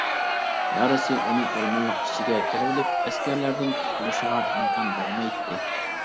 يارىسى ئۇنىڭ ئورمانلىق ئىچىگە كىرىۋېلىپ ئەسكەرلەردىن قۇتۇلۇشىغا ئىمكان بەرمەيتتى.